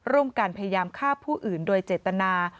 ร่วมกันพยายามฆ่าผู้อื่นโดยเจตนา